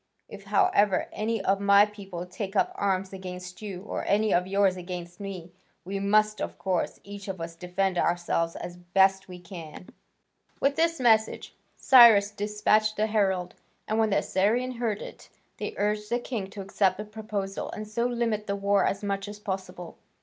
If, however, any of my people take up arms against you, or any of yours against me, we must, of course, each of us, defend ourselves as best we can." With this message Cyrus despatched the herald, and when the Assyrians heard it, they urged the king to accept the proposal, and so limit the war as much as possible.